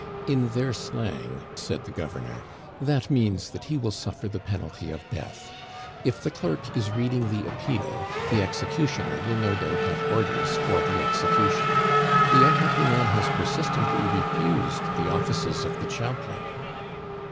"In their slang," said the governor, "that means that he will suffer the penalty of death. If the clerk is reading the appeal, the executioner will no doubt have orders for the execution. The unhappy man has persistently refused the offices of the chaplain."